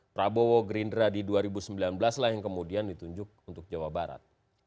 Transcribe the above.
prabowo gerindra di dua ribu sembilan belas lah yang kemudian ditunjuk untuk jawa barat